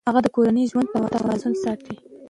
هغه د کورني ژوند توازن ساتي.